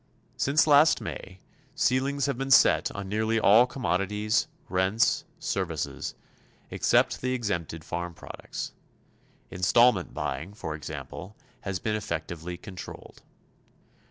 Since last May, ceilings have been set on nearly all commodities, rents services, except the exempted farm products. Installment buying, for example, has been effectively controlled.